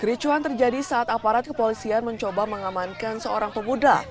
kericuan terjadi saat aparat kepolisian mencoba mengamankan seorang pemuda